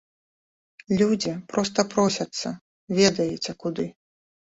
Людзі проста просяцца, ведаеце куды.